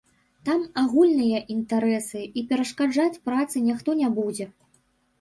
Там агульныя інтарэсы, і перашкаджаць працы ніхто не будзе.